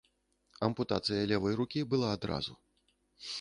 Ампутацыя левай рукі была адразу.